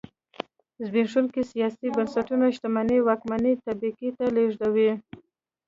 زبېښونکي سیاسي بنسټونه شتمنۍ واکمنې طبقې ته لېږدوي.